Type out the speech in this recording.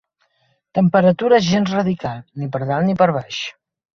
Temperatura gens radical, ni per dalt ni per baix.